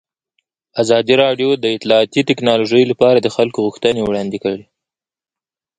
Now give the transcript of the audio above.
ازادي راډیو د اطلاعاتی تکنالوژي لپاره د خلکو غوښتنې وړاندې کړي.